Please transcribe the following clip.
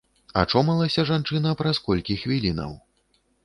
Ачомалася жанчына праз колькі хвілінаў.